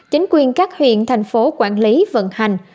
chính quyền các huyện thành phố quản lý vận hành